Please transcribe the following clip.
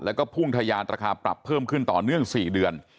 แล้วก็พุ่งทะยานราคาปรับเพิ่มขึ้นต่อเนื่อง๔เดือน